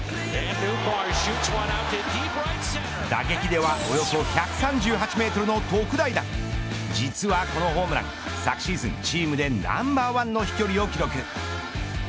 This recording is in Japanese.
打撃ではおよそ１３８メートルの特大弾実はこのホームラン昨シーズンチームでナンバーワンの飛距離を記録。